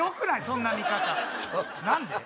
そんな見方何で？